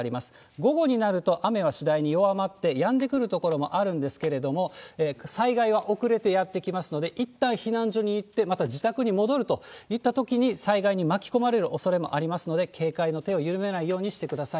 午後になると、雨は次第に弱まって、やんでくる所もあるんですけれども、災害は遅れてやって来ますので、いったん避難所に行って、また自宅に戻るといったときに、災害に巻き込まれるおそれもありますので、警戒の手を緩めないようにしてください。